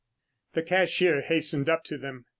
The cashier hastened up to them.